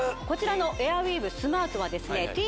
こちらのエアウィーヴスマートはですね